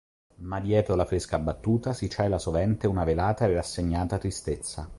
Ma dietro la fresca battuta si cela sovente una velata e rassegnata tristezza.